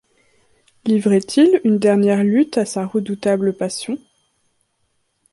Livrait-il une dernière lutte à sa redoutable passion?